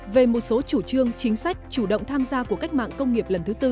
về một số chủ trương chính sách chủ động tham gia của cách mạng công nghệ